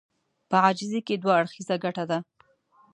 په عاجزي کې دوه اړخيزه ګټه ده.